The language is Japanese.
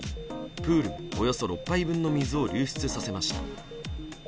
プールおよそ６杯分の水を流出させました。